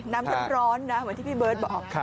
น้ำแทบร้อนนะเหมือนที่พี่เบิร์ตบอก